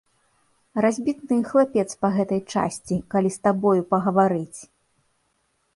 Разбітны хлапец па гэтай часці, калі з табою пагаварыць.